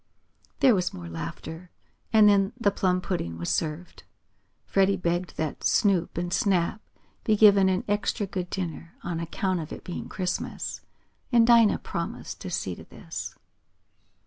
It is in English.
There was more laughter, and then the plum pudding was served. Freddie begged that Snoop and Snap be given an extra good dinner, on account of it being Christmas, and Dinah promised to see to this.